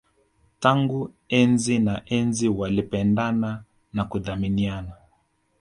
Tangu enzi na enzi walipendana na kuthaminiana